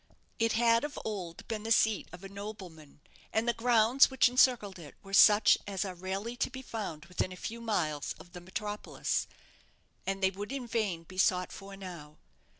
It had of old been the seat of a nobleman, and the grounds which encircled it were such as are rarely to be found within a few miles of the metropolis; and they would in vain be sought for now.